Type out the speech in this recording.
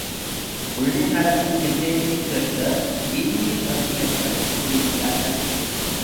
உள்ளே நடக்கும் கச்சேரியைக் கேட்க வீதியில் ரசிகர்கள் கூடிவிட்டார்கள்.